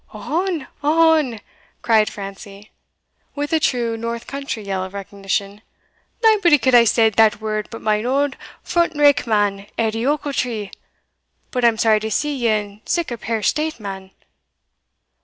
'" "Ohon! ohon!" cried Francie, with a true north country yell of recognition, "naebody could hae said that word but my auld front rank man, Edie Ochiltree! But I'm sorry to see ye in sic a peer state, man."